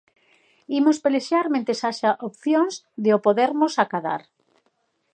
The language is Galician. Imos pelexar mentres haxa opcións de o podermos acadar.